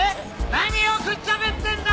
何をくっちゃべってんだ！